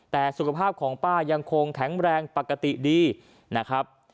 แต่สุขภาพของป้ายังคงแข็งแรงปกติดีนะครับ